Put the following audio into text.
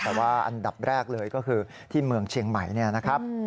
แต่ว่าอันดับแรกเลยก็คือที่เมืองเชียงใหม่เนี่ยนะครับ